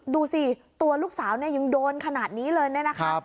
ดูสิตัวลูกสาวเนี่ยยังโดนขนาดนี้เลยเนี่ยนะคะ